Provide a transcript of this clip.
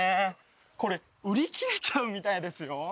これ売り切れちゃうみたいですよ。